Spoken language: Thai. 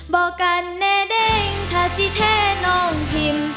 บอกกันแน่เด้งถ้าสิแท้น้องทิม